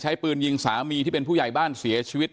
ใช้ปืนยิงสามีที่เป็นผู้ใหญ่บ้านเสียชีวิต